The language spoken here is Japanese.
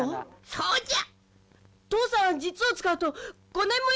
「そうじゃ」